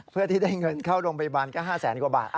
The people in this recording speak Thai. เพื่อที่ได้เงินเข้าโรงพยาบาลก็๕แสนกว่าบาท